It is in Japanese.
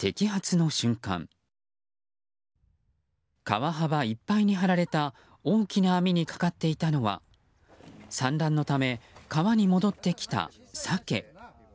川幅いっぱいに張られた大きな網にかかっていたのは産卵のため、川に戻ってきたサケ。